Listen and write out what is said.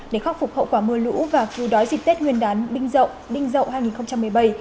để khắc phục hậu quả mưa lũ và khu đói dịch tết nguyên đán đinh dậu hai nghìn một mươi bảy